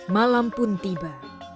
malam pun tiba